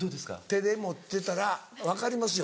手で持ってたら分かりますよ